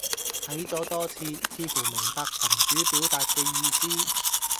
睇咗多次，似乎明白群主表達嘅意思